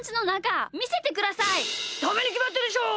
ダメにきまってるでしょ！